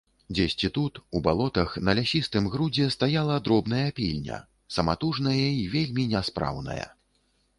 Дзесьці тут, у балотах, на лясістым грудзе стаяла дробная пільня, саматужная і вельмі няспраўная.